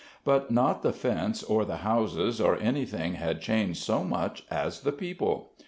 But not the fence or the houses, or anything had changed so much as the people.